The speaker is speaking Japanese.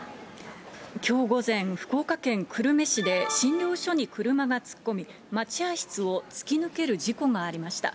きょう午前、福岡県久留米市で診療所に車が突っ込み、待合室を突き抜ける事故がありました。